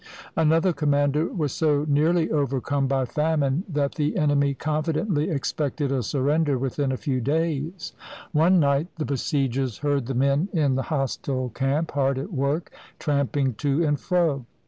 Another commander was so nearly overcome by famine that the enemy confidently expected a surrender within a few days. One night the besiegers heard the men in the hostile camp hard at work, tramping to and fro.